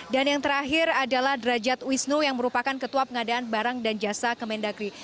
dan yang terakhir adalah derajat wisnu yang merupakan ketua pengadaan barang dan jasa kemendagri